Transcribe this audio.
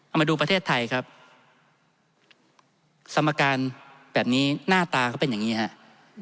เอามาดูประเทศไทยครับสมการแบบนี้หน้าตาเขาเป็นอย่างนี้ครับ